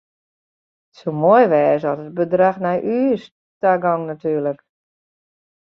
It soe moai wêze at it bedrach nei ús ta gong natuerlik.